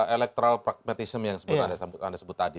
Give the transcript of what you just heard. elektoral pragmatism yang sebut tadi